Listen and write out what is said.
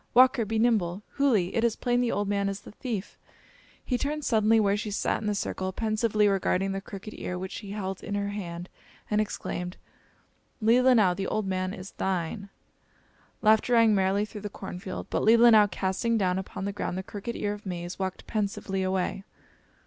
Walker, be nimble! Hooli! It is plain the old man is the thief." He turned suddenly where she sat in the circle, pensively regarding the crooked ear which she held in her hand, and exclaimed: "Leelinau, the old man is thine!" Laughter rang merrily through the corn field, but Leelinau, casting down upon the ground the crooked ear of maize, walked pensively away.